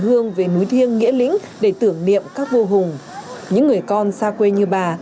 hương về núi thiêng nghĩa lĩnh để tưởng niệm các vua hùng những người con xa quê như bà